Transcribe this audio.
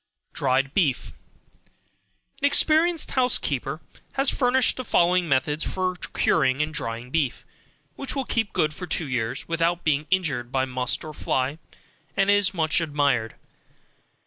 Dried Beef. An experienced housekeeper has furnished the following method for curing and drying beef, which will keep good for two years, without being injured by must or fly, and is much admired.